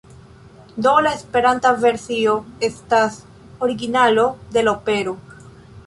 Do la Esperanta versio estas originalo de la opero.